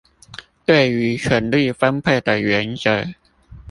對於權力分配的原則